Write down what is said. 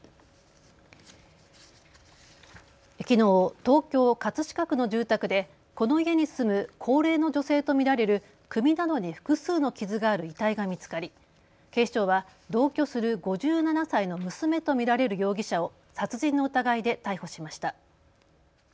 きのう東京葛飾区の住宅でこの家に住む高齢の女性と見られる首などに複数の傷がある遺体が見つかり警視庁は同居する５７歳の娘と見られる容疑者を殺人の疑いで逮捕しました。